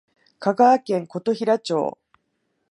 香川県琴平町